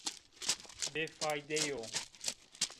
Bêfeyde yo